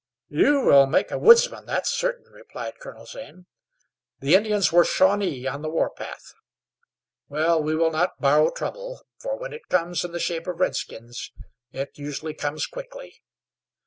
"You will make a woodsman, that's certain," replied Colonel Zane. "The Indians were Shawnee on the warpath. Well, we will not borrow trouble, for when it comes in the shape of redskins it usually comes quickly.